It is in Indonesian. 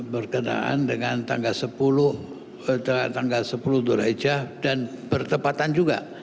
berkenaan dengan tanggal sepuluh dhul hijjah dan bertepatan juga